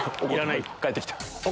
返ってきた。